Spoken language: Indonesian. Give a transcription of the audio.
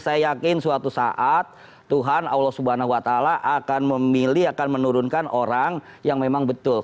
saya yakin suatu saat tuhan allah swt akan memilih akan menurunkan orang yang memang betul